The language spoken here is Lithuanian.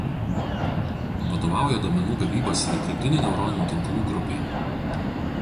Vadovauja duomenų gavybos ir dirbtinių neuroninių tinklų grupei.